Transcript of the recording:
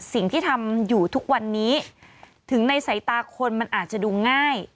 สิ่งที่ทำอยู่ทุกวันนี้ถึงในสายตาคนมันอาจจะดูง่าย